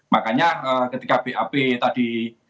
makanya ketika bap tadi